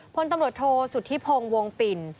พลตำรวจโทษสุธิพงศ์วงปิ่น